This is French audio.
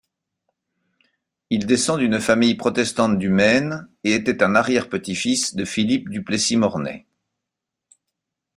Il descend d'une famille protestante du Maine et était un arrière-petit-fils de Philippe Duplessis-Mornay.